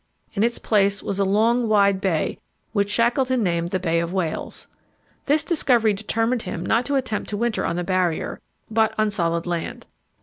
In its place was a long, wide bay, which Shackleton named the Bay of Whales. This discovery determined him not to attempt to winter on the Barrier, but on solid land.